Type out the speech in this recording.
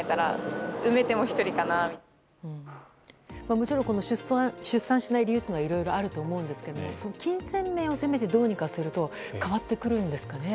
もちろん出産しない理由というのはいろいろあると思うんですけど金銭面を、せめてどうにかすると変わってくるんですかね。